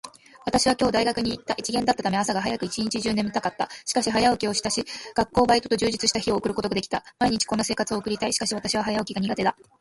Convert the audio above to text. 私は今日大学に行った。一限だったため、朝が早く、一日中眠たかった。しかし、早起きをし、学校、バイトと充実した日を送ることができた。毎日こんな生活を送りたい。しかし私は早起きが苦手だ。